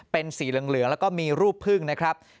เป็นสีเหลืองแล้วก็มีรูปพึ่งนะครับ